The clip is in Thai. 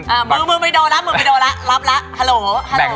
มือไม่โดระมือไม่โดระรับละฮัลโหลฮัลโหล